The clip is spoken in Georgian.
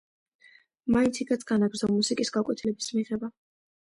მან იქაც განაგრძო მუსიკის გაკვეთილების მიღება.